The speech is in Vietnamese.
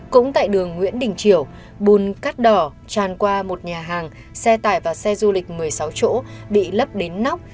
cũng tại đường nguyễn đình triều bùn cát đỏ tràn qua một nhà hàng xe tải và xe du lịch một mươi sáu chỗ bị lấp đến nóc